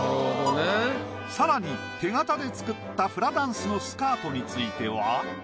更に手形で作ったフラダンスのスカートについては。